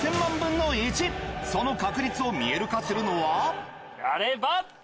その確率を見える化するのは。